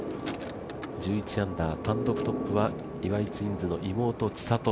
１１アンダー、単独トップは岩井ツインズの妹・千怜。